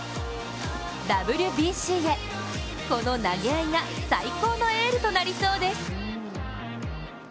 ＷＢＣへ、この投げ合いが最高のエールとなりそうです。